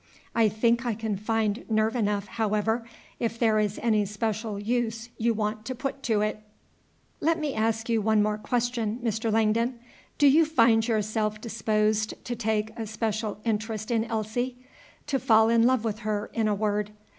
I think I can find nerve enough, however, if there is any special use you want to put it to." "Let me ask you one more question, Mr. Langdon. Do you find yourself disposed to take a special interest in Elsie, to fall in love with her, in a word?